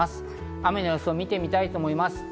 雨の予想を見たいと思います。